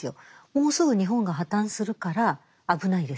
「もうすぐ日本が破綻するから危ないですよ」